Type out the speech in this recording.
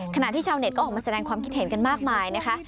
ขณะที่ชาวเน็ตก็ออกมาแสดงความคิดเห็นกันมากมายนะคะ